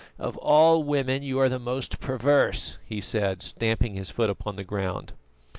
"Of all women you are the most perverse!" he said, stamping his foot upon the ground.